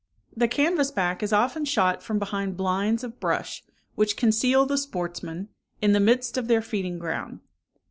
The canvass back is often shot from behind blinds of brush, which conceal the sportsman, in the midst of their feeding ground.